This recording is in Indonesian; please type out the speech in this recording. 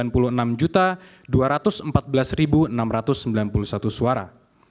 dan pasangan calon nomor dua memperoleh sembilan puluh enam dua ratus empat belas enam ratus sembilan puluh satu suara